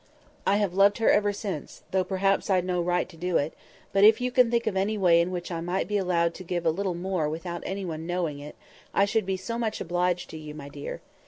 I have loved her ever since, though perhaps I'd no right to do it; but if you can think of any way in which I might be allowed to give a little more without any one knowing it, I should be so much obliged to you, my dear.